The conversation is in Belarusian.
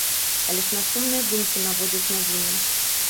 Але ж на сумныя думкі наводзяць навіны.